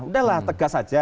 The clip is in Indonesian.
udah lah tegas saja